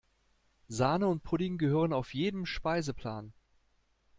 Sahne und Pudding gehören auf jeden Speiseplan.